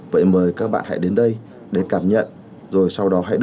vậy mời các bạn hãy đến đây